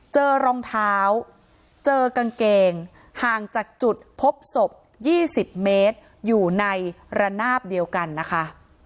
เจอรองเท้าเจอกางเกงห่างจากจุดพบศพ๒๐เมตรอยู่ในระนาบเดียวกันนะคะ